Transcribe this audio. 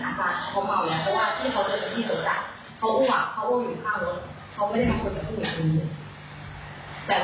แต่กลับมาตอนนั้นเดี๋ยวเราลงไปดูเขาว่าเพื่อนเหลือเท่านี้